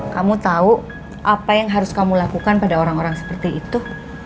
kamu tahu apa yang harus kamu lakukan pada orang orang seperti itu